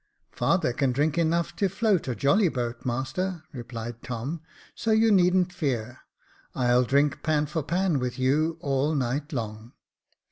" Father can drink enough to float a jolly boat, master," replied Tom ;" so you needn't fear. I'll drink pan for pan with you, all night long."